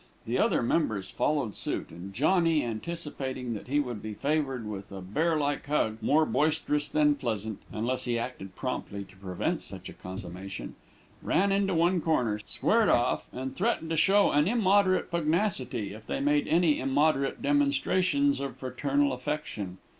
The other members followed suit, and Johnny, anticipating that he would be favored with a bear like hug, more boisterous than pleasant, unless he acted promptly to prevent such a consummation, ran into one corner, squared off, and threatened to show an immoderate pugnacity, if they made any immoderate demonstrations of fraternal affection.